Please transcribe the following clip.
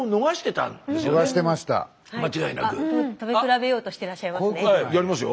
食べ比べようとしてらっしゃいますね。